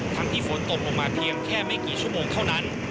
ที่ฝนตกลงมาเพียงแค่ไม่กี่ชั่วโมงเท่านั้น